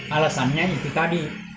alasannya itu tadi